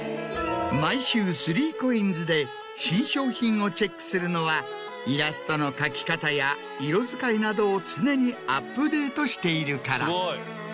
毎週３ＣＯＩＮＳで新商品をチェックするのはイラストの描き方や色使いなどを常にアップデートしているから。